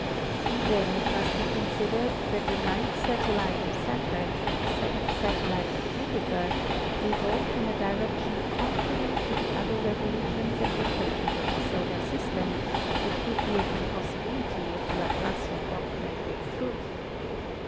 Then it must be considered that the ninth satellite of Saturn and the seventh satellite of Jupiter revolve in a direction contrary to the other revolutions and rotations of the solar system, which would be an impossibility if the Laplacian doctrine were true.